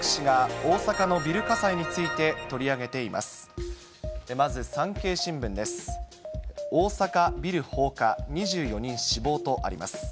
大阪ビル放火２４人死亡とあります。